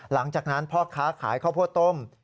หลังจากนั้นพ่อค้าขายข้าวโพดต้ม